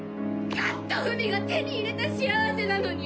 「やっと文が手に入れた幸せなのに！」